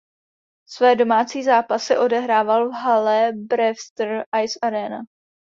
Své domácí zápasy odehrával v hale Brewster Ice Arena.